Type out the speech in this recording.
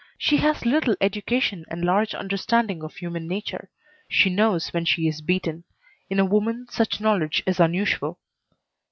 She has little education and large understanding of human nature. She knows when she is beaten. In a woman such knowledge is unusual.